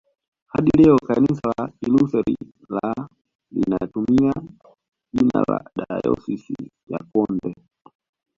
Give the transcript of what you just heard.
Hadi leo kanisa la Kilutheri la linatumia jina dayosisi ya Konde